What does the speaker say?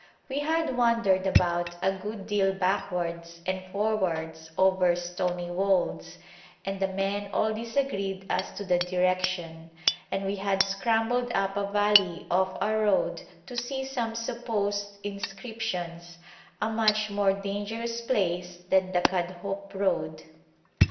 We had wandered about a good deal backwards and forwards over stony wolds, and the men all disagreed as to the direction, and we had scrambled up a valley off our road to see some supposed inscriptions, a much more dangerous place than the Kadhoup road.